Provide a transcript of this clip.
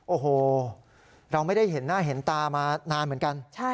โอ้โหเราไม่ได้เห็นหน้าเห็นตามานานเหมือนกัน